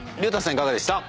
いかがでした？